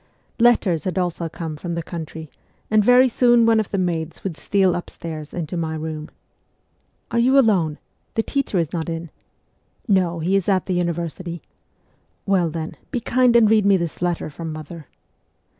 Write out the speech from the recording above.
Letters had also come from the country, and very soon one of the maids would steal upstairs into my room. ' Are you alone ? The teacher is not in ?'' No, he is at the university.' ' Well, then, be kind and read me this letter from mother.'